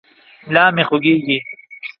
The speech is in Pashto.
ملا مې خوږېږي.